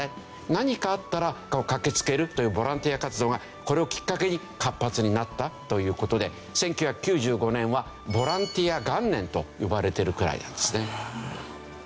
何かあったら駆けつけるというボランティア活動がこれをきっかけに活発になったという事で１９９５年はボランティア元年と呼ばれてるくらいなんですね。